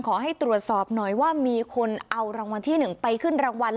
ขอให้ตรวจสอบหน่อยว่ามีคนเอารางวัลที่๑ไปขึ้นรางวัล